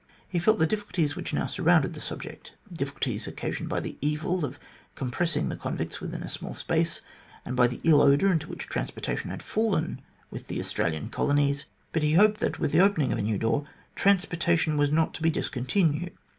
He felt the difficulties which now surrounded the subject difficulties occasioned by the evil of compressing the convicts within a small space, and by the ill odour into which transportation had fallen with the Australian Colonies ; but he hoped that, with the opening of a new door, transportation was not to be discontinued.